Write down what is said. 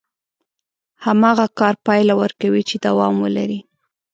هماغه کار پايله ورکوي چې دوام ولري.